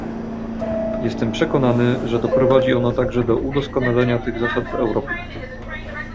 Jestem przekonany, że doprowadzi ono także do udoskonalenia tych zasad w Europie